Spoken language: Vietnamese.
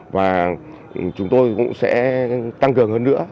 và chúng tôi cũng sẽ tăng cường hơn nữa